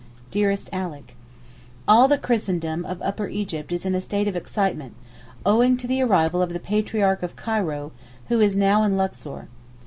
DEAREST ALICK, All the Christendom of Upper Egypt is in a state of excitement, owing to the arrival of the Patriarch of Cairo, who is now in Luxor.